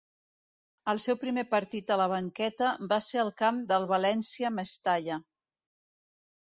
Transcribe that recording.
El seu primer partit a la banqueta va ser al camp del València Mestalla.